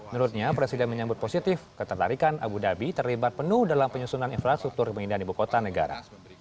menurutnya presiden menyambut positif ketertarikan abu dhabi terlibat penuh dalam penyusunan infrastruktur pemindahan ibu kota negara